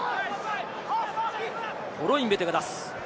コロインベテが出す。